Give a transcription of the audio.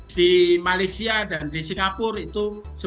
di malaysia dan di singapura itu